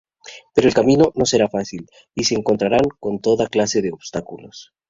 Pero el camino no será fácil y se encontrarán con toda clase de obstáculos.